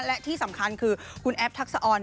และที่สำคัญคือคุณแอฟทักษะออน